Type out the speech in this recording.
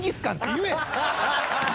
言え！